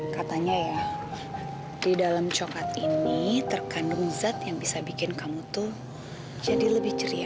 katanya ya di dalam coklat ini terkandung zat yang bisa bikin kamu tuh jadi lebih ceria